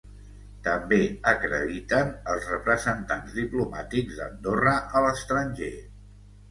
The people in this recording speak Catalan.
També acrediten els representants diplomàtics d’Andorra a l’estranger.